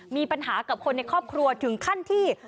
มีปัญหากับคนในครอบครัวถึงขั้นที่